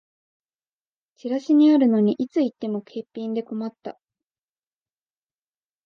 チラシにあるのにいつ行っても欠品で困った